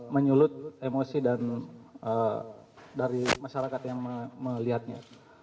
menyulut emosi dari masyarakat yang melihatnya